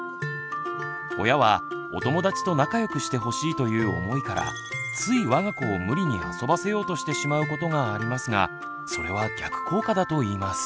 親は「お友達と仲良くしてほしい」という思いからついわが子を無理に遊ばせようとしてしまうことがありますがそれは逆効果だといいます。